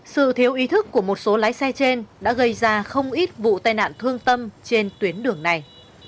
sự thiếu ý thức của một số lái xe trên đã gây ra không ít vụ tai nạn thương tâm trên tuyến đường này